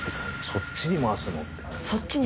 「そっちに回すの？」。